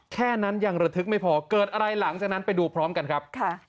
แค่นั้นยังระทึกไม่พอเกิดอะไรหลังจากนั้นไปดูพร้อมกันครับ